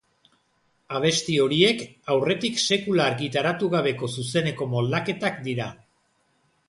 Abesti horiek aurretik sekula argitaratu gabeko zuzeneko moldaketak dira.